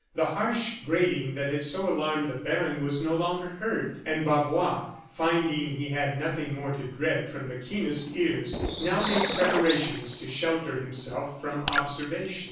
The harsh grating that had so alarmed the baron was no longer heard, and Bavois, finding he had nothing more to dread from the keenest ears, now made preparations to shelter himself from observation.